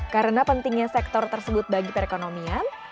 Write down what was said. karena pentingnya sektor tersebut bagi perekonomian